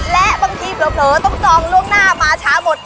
และบางทีเผลอต้องจองล่วงหน้ามาช้าหมด